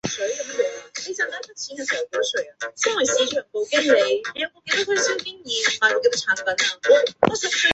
戈达德在液体火箭的研究上取得过很多开创性成果。